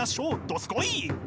どすこい！